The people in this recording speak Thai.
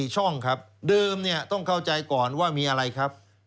ช่องครับเดิมต้องเข้าใจก่อนว่ามีอะไรครับ